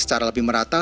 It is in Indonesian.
secara lebih merata